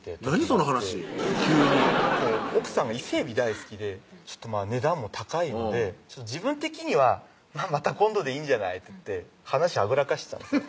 その話急に奥さんが伊勢えび大好きで値段も高いので自分的には「また今度でいいんじゃない？」って話はぐらかしてたんです